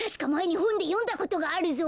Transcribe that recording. にほんでよんだことがあるぞ！